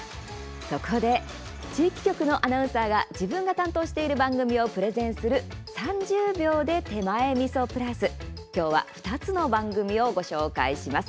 そこで、地域局のアナウンサーが自分が担当している番組をプレゼンする「３０秒で手前みそプラス」今日は２つの番組をご紹介します。